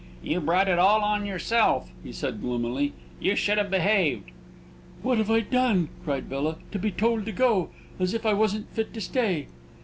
"You brought it all on yourself," he said, gloomily; "you should have behaved!" "What have I done," cried Bella, "to be told to go, as if I wasn't fit to stay?"